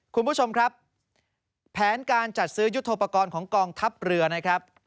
คุณผู้ชมครับแผนการจัดซื้อยุทธโปรกรณ์ของกองทัพเรือนะครับ